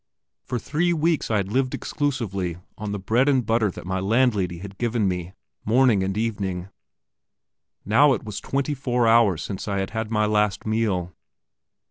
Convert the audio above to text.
For three weeks I had lived exclusively on the bread and butter that my landlady had given me morning and evening. Now it was twenty four hours since I had had my last meal.